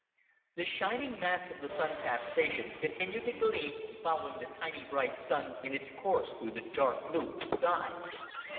The shining masts of the Sun tap station continued to gleam, following the tiny bright Sun in its course through the dark blue of the sky.